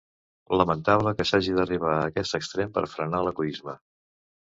Lamentable que s’hagi d’arribar a aquest extrem per frenar l’egoisme.